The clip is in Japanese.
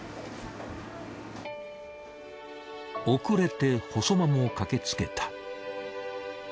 遅れて細間も駆けつけた。